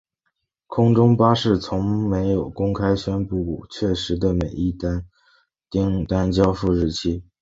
空中巴士从没有公开宣布确实的每一订单交付日期。